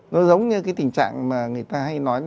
nó giống như cái tình trạng mà người ta hay nói